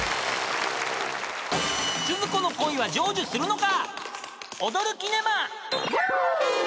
［鈴子の恋は成就するのか？］